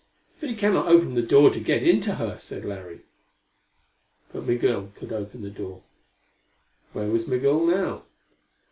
"But he cannot open the door to get into her," said Larry. But Migul could open the door. Where was Migul now?